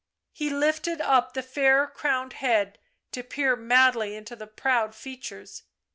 He lifted up the fair crowned head to peer madly into the proud features.